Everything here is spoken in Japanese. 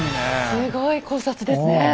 すごい考察ですね。